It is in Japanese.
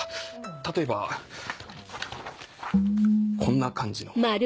例えばこんな感じの。